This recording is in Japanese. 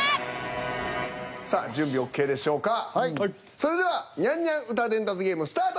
それではニャンニャン歌伝達ゲームスタート！